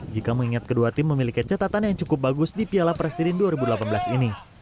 jika mengingat kedua tim memiliki catatan yang cukup bagus di piala presiden dua ribu delapan belas ini